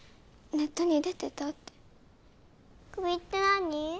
ネットに出てたってクビって何？